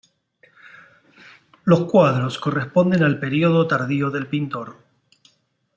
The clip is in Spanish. Los cuadros corresponden al periodo tardío del pintor.